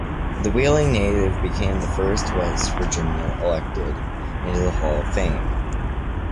The Wheeling native became the first West Virginian elected into the Hall of Fame.